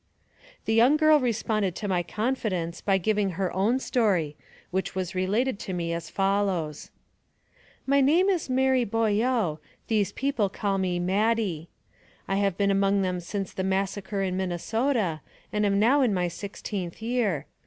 The young girl responded to my confidence by giving her own story, which she related to me as fol lows :'* My name is Mary Boyeau ; these people call me Madee. I have been among them since the massacre in Minnesota, and am now in my sixteenth year.